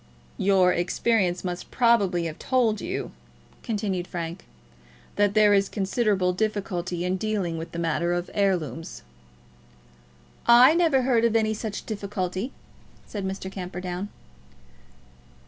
"Your experience must probably have told you," continued Frank, "that there is considerable difficulty in dealing with the matter of heirlooms." "I never heard of any such difficulty," said Mr. Camperdown.